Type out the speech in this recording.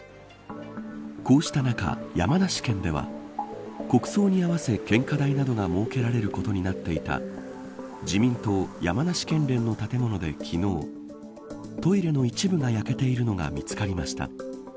こうした中、山梨県では国葬に合わせ献花台などが設けられることになっていた自民党山梨県連の建物で昨日トイレの一部が焼けているのが見つかりました。